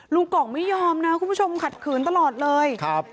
ลุงกอกไม่ยอมนะคุณผู้ชมขัดขืนตลอดเลย